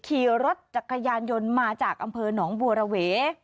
ขี่รถจักรยานยนต์มาจากอำเภอหนองบัวระเว